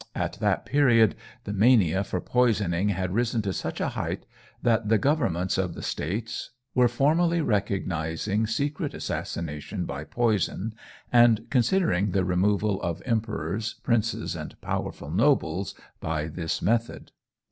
At that period the mania for poisoning had risen to such a height, that the governments of the states were formally recognizing secret assassination by poison, and considering the removal of emperors, princes, and powerful nobles by this method.